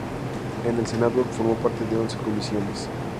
En el Senado formó parte de once comisiones.